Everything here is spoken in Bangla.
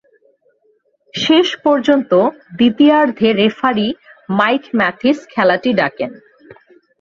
শেষ পর্যন্ত, দ্বিতীয়ার্ধে রেফারি মাইক ম্যাথিস খেলাটি ডাকেন।